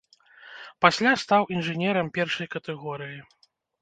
Пасля стаў інжынерам першай катэгорыі.